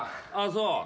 ああそう。